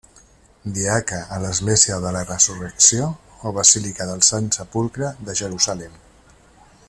Diaca a l'església de la Resurrecció o Basílica del Sant Sepulcre de Jerusalem.